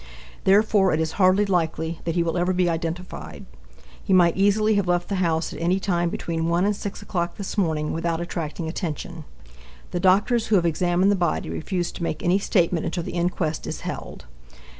Therefore it is hardly likely that he will ever be identified. He might easily have left the house at any time between 1 and 6 o'clock this morning without attracting attention. The doctors who have examined the body refuse to make any statement until the inquest is held.